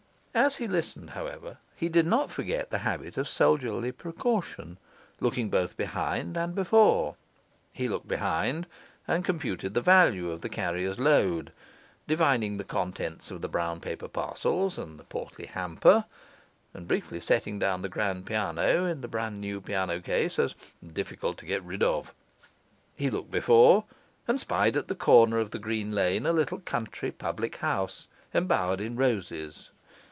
As he listened, however, he did not forget the habit of soldierly precaution, looking both behind and before. He looked behind and computed the value of the carrier's load, divining the contents of the brown paper parcels and the portly hamper, and briefly setting down the grand piano in the brand new piano case as 'difficult to get rid of'. He looked before, and spied at the corner of the green lane a little country public house embowered in roses.